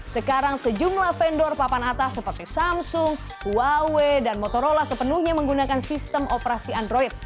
sekarang sejumlah vendor papan atas seperti samsung huawei dan motorola sepenuhnya menggunakan sistem operasi android